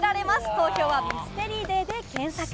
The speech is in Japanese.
投票はミステリーデイで検索。